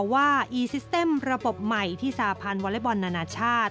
ว่าที่สาธารณะวอลเล็กบอลอนาชาติ